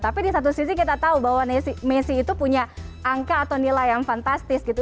tapi di satu sisi kita tahu bahwa messi itu punya angka atau nilai yang fantastis gitu